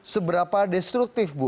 seberapa destruktif bu